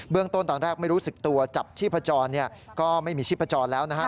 เบื้องต้นตอนแรกไม่รู้สึกตัวจับชีพจรก็ไม่มีชีพจรแล้วนะครับ